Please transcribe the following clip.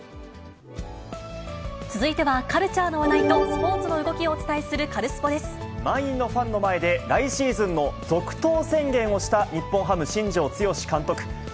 続いてはカルチャーの話題とスポーツの動きをお伝えする、満員のファンの前で、来シーズンの続投宣言をした日本ハム、新庄剛志監督。